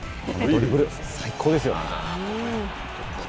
ドリブル、最高ですよね。